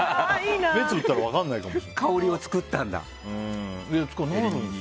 目つぶったら分からないかもしれない。